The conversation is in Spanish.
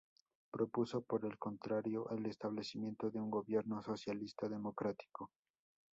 Propuso, por el contrario, el establecimiento de un Gobierno socialista democrático.